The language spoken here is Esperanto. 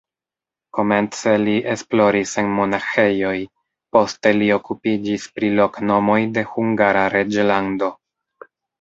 Komence li esploris en monaĥejoj, poste li okupiĝis pri loknomoj de Hungara reĝlando.